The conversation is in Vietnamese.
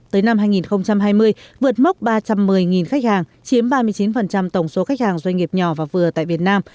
tới năm hai nghìn hai mươi vượt mốc ba trăm một mươi khách hàng chiếm ba mươi chín tổng số khách hàng doanh nghiệp nhỏ và vừa tại việt nam